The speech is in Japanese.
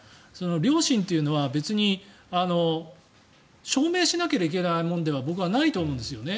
良心というのは別に証明しなければいけないものでは僕はないと思うんですよね。